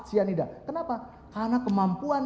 cyanida kenapa karena kemampuan